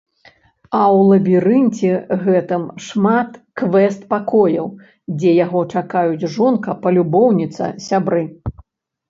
А ў лабірынце гэтым шмат квэст-пакояў, дзе яго чакаюць жонка, палюбоўніца, сябры.